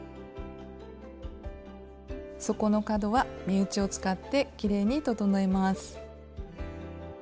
底の角は目打ちを使ってきれいに整えます。